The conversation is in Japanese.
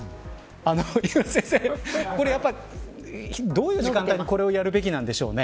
どういう時間帯にこれをやるべきなんでしょうね。